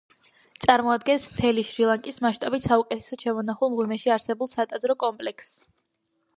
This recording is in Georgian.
წარმოადგენს მთელი შრი-ლანკის მასშტაბით საუკეთესოდ შემონახულ, მღვიმეში არსებულ სატაძრო კომპლექსს.